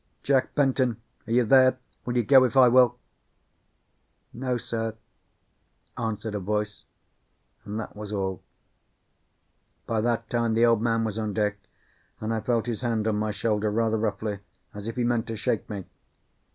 "Jack Benton, are you there? Will you go if I will?" "No, sir," answered a voice; and that was all. By that time the Old Man was on deck, and I felt his hand on my shoulder rather roughly, as if he meant to shake me.